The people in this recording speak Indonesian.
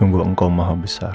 sungguh engkau maha besar